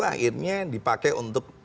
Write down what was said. akhirnya dipakai untuk